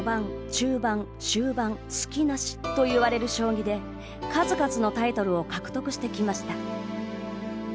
・中盤・終盤、隙なしといわれる将棋で数々のタイトルを獲得してきました。